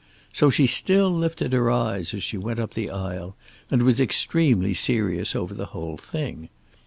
So she still lifted her eyes as she went up the aisle, and was extremely serious over the whole thing.